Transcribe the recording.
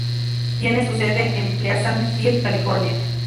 Tiene su sede en Pleasant Hill, California.